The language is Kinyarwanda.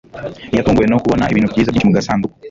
yatunguwe no kubona ibintu byiza byinshi mu gasanduku